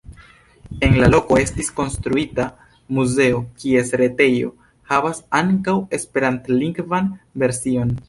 En la loko estis konstruita muzeo, kies retejo havas ankaŭ esperantlingvan version.